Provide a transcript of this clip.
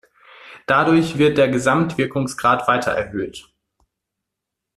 Dadurch wird der Gesamtwirkungsgrad weiter erhöht.